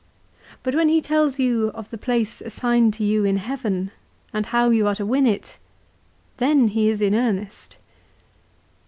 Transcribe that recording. But when he tells you of the place assigned to you in heaven and how you are to win it, then he is in earnest.